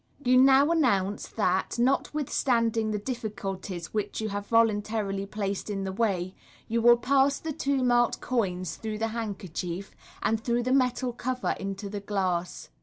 You now announce that, notwithstanding the diffi culties which you have voluntarily placed in the way, you will pass the two marked coins through the handkerchief, and tnrough the metal cover into the glass.